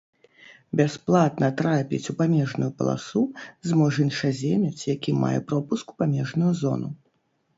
Бясплатна трапіць у памежную паласу зможа іншаземец, які мае пропуск у памежную зону.